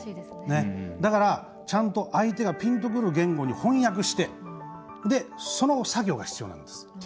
だから、ちゃんと相手がピンとくる言語に翻訳してその作業が必要なんです。